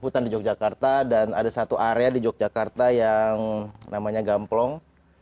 hutan di yogyakarta dan ada satu area di yogyakarta yang namanya gamplong